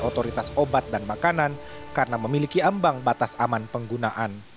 otoritas obat dan makanan karena memiliki ambang batas aman penggunaan